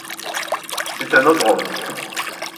C'est un autre homme.